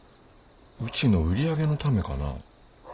うちの売り上げのためかな。